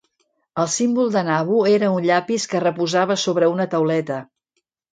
El símbol de Nabu era un llapis que reposava sobre una tauleta.